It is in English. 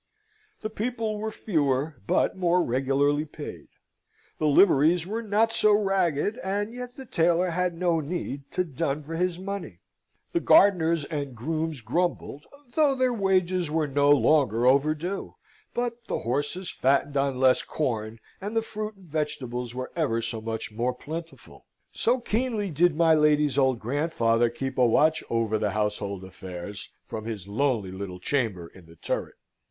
The people were fewer, but more regularly paid; the liveries were not so ragged, and yet the tailor had no need to dun for his money; the gardeners and grooms grumbled, though their wages were no longer overdue: but the horses fattened on less corn, and the fruit and vegetables were ever so much more plentiful so keenly did my lady's old grandfather keep a watch over the household affairs, from his lonely little chamber in the turret.